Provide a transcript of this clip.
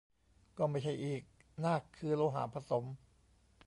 ก็ไม่ใช่อีก นากคือโลหะผสม